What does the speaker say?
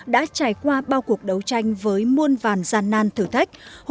đã trải qua bao cuộc đấu tranh với muôn vàn gian nan thử thách